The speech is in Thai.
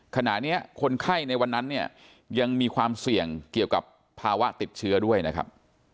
ขณะนี้คนไข้ในวันนั้นเนี่ยยังมีความเสี่ยงเกี่ยวกับภาวะติดเชื้อด้วยนะครับ